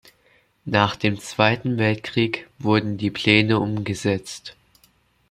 Nach dem Zweiten Weltkrieg wurden die Pläne umgesetzt.